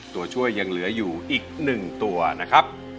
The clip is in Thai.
ตัวช่วยยังเหลืออยู่อีก๑ตัวนะครับ